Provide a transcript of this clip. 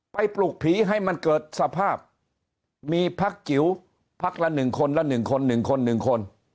ปลุกผีให้มันเกิดสภาพมีพักจิ๋วพักละ๑คนละ๑คน๑คน๑คน